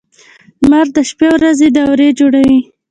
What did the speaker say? • لمر د شپې او ورځې دورې جوړوي.